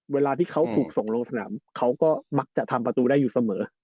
เวลาที่เขาถูกส่งลงสนามเขาก็มักจะทำประตูได้อยู่เสมอ